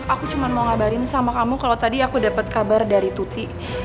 aku mau ngapain sama kamu kalau aku dapet kabar dari tuti